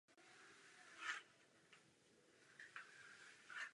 Po Františku Štěpánovi vystřídala manufaktura několik dalších majitelů.